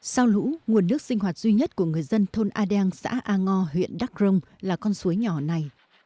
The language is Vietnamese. sau lũ nguồn nước sinh hoạt duy nhất của người dân thôn a đen xã a ngo huyện đắc rông là con suối nhỏ này